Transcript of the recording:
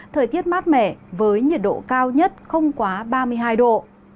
thời tiết mát mẻ với nhiệt độ cao nhất không quá ba mươi hai độ